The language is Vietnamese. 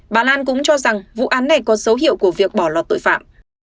bà lan cũng cho rằng vụ án này có dấu hiệu của việc bỏ lọt tội phạm